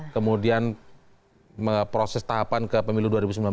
kemudian proses tahapan ke pemilu dua ribu sembilan belas